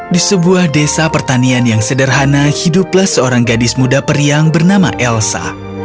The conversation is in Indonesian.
di sebuah desa pertanian yang sederhana hiduplah seorang gadis muda periang bernama elsa